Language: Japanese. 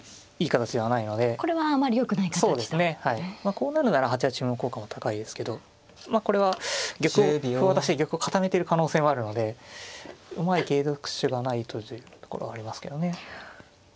こうなるなら８八歩の効果は高いですけどこれは玉を歩を渡して玉を固めてる可能性もあるのでうまい継続手がないとというところはありますけどね。